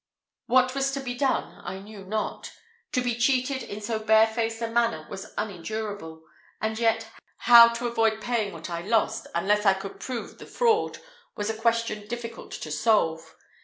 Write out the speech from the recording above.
What was to be done I knew not. To be cheated in so barefaced a manner was unendurable; and yet, how to avoid paying what I lost, unless I could prove the fraud, was a question difficult to solve.